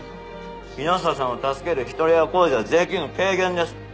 木下さんを助けるひとり親控除は税金の軽減です。